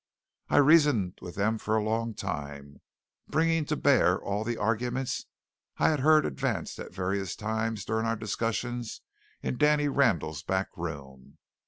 I reasoned with them for a long time, bringing to bear all the arguments I had heard advanced at various times during our discussions in Danny Randall's back room.